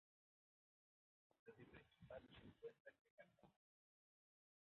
Su sede principal se encuentra en Yakarta.